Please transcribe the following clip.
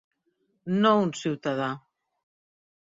No un ciutadà.